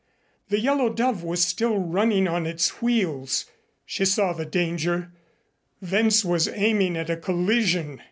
The Yellow Dove was still running on its wheels. She saw the danger. Wentz was aiming at a collision.